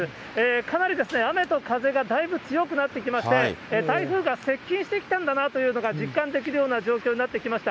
かなり雨と風がだいぶ強くなってきまして、台風が接近してきたんだなというのが実感できるような状況になってきました。